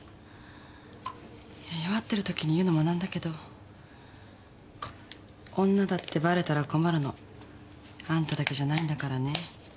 弱ってるときに言うのも何だけど女だってバレたら困るのあんただけじゃないんだからね。